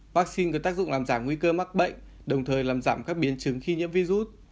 vaccine có tác dụng làm giảm nguy cơ mắc bệnh đồng thời làm giảm các biến chứng khi nhiễm virus